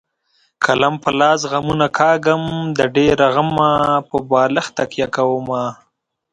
قلم په لاس غمونه کاږم د ډېره غمه په بالښت تکیه کومه.